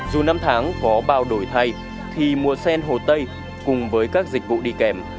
dù năm tháng có bao đổi thay thì mùa sen hồ tây cùng với các dịch vụ đi kèm